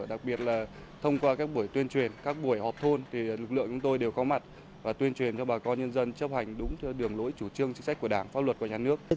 đặc biệt là thông qua các buổi tuyên truyền các buổi họp thôn thì lực lượng chúng tôi đều có mặt và tuyên truyền cho bà con nhân dân chấp hành đúng đường lối chủ trương chính sách của đảng pháp luật của nhà nước